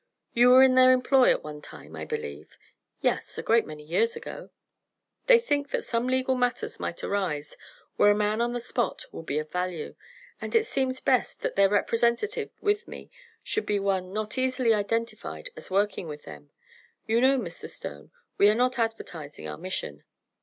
You were in their employ at one time, I believe?" "Yes, a great many years ago." "They think that some legal matters might arise, where a man on the spot would be of value, and it seems best that their representative with me should be one not easily identified as working with them. You know, Mr. Stone, we are not advertising our mission."